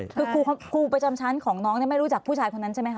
คือครูประจำชั้นของน้องไม่รู้จักผู้ชายคนนั้นใช่ไหมค